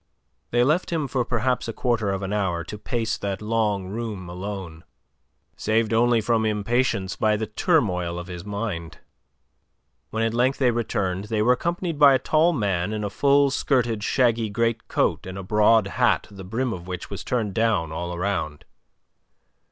They left him for perhaps a quarter of an hour, to pace that long room alone, saved only from impatience by the turmoil of his mind. When at length they returned, they were accompanied by a tall man in a full skirted shaggy greatcoat and a broad hat the brim of which was turned down all around.